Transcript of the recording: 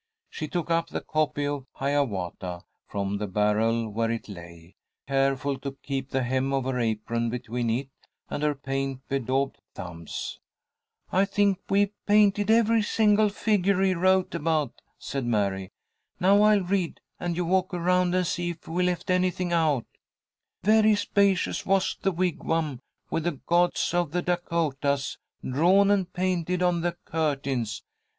She took up the copy of "Hiawatha" from the barrel where it lay, careful to keep the hem of her apron between it and her paint bedaubed thumbs. "I think we've painted every single figure he wrote about," said Mary. "Now, I'll read, and you walk around and see if we've left anything out: "Very spacious was the wigwam With the gods of the Dacotahs Drawn and painted on the curtains."